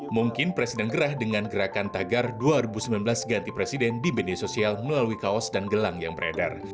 mungkin presiden gerah dengan gerakan tagar dua ribu sembilan belas ganti presiden di media sosial melalui kaos dan gelang yang beredar